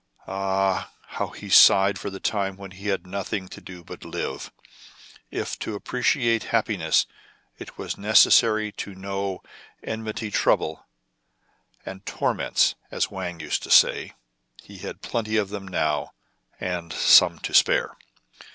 Ah ! how he sighed for the time when he had nothing to do but live ! If to appreciate happiness, it was necessary to know enmiiy trouble, and torments, as Wang used to say, he had plenty of them now, and some to spare.